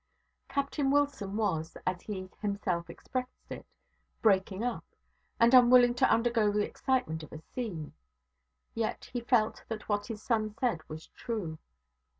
Captain Wilson was, as he himself expressed it, 'breaking up', and unwilling to undergo the excitement of a scene; yet he felt that what his son said was true.